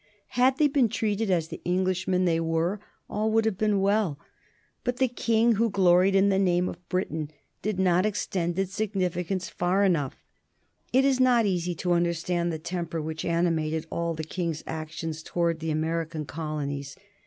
Had they been treated as the Englishmen they were, all would have been well. But the King who gloried in the name of Briton did not extend its significance far enough. [Sidenote: 1765 Friction with the American colonists] It is not easy to understand the temper which animated all the King's actions towards the American colonies.